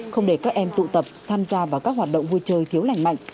không để các em tụ tập tham gia vào các hoạt động vui chơi thiếu lành mạnh